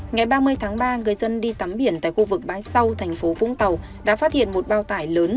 ngày ba mươi tháng ba người dân đi tắm biển tại khu vực bãi sau thành phố vũng tàu đã phát hiện một bao tải lớn